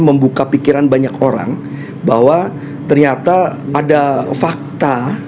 membuka pikiran banyak orang bahwa ternyata ada fakta